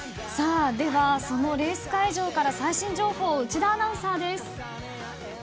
ではそのレース会場から最新情報を内田アナウンサーです。